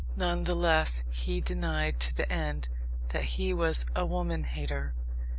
None the less, he denied to the end that he was a woman hater.